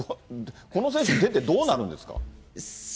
この選手出てどうなるんですか？